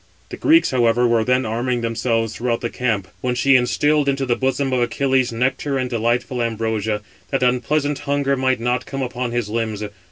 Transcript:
The Greeks, however, were then arming themselves throughout the camp, when she instilled into the bosom of Achilles nectar and delightful ambrosia, that unpleasant hunger might not come upon his limbs.